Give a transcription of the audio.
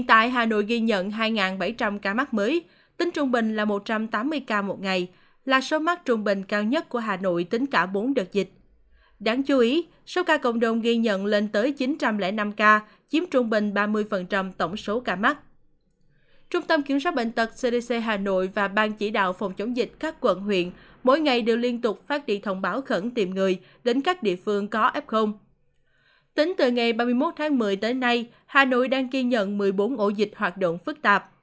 từ ngày ba mươi một tháng một mươi tới nay hà nội đang ghi nhận một mươi bốn ổ dịch hoạt động phức tạp